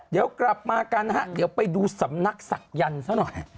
เดี๋ยวกลับมากันนะฮะเดี๋ยวไปดูสำนักศักยันต์ซะหน่อย